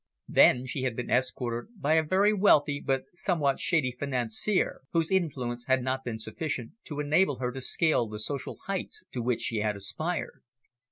Then she had been escorted by a very wealthy but somewhat shady financier, whose influence had not been sufficient to enable her to scale the social heights to which she had aspired.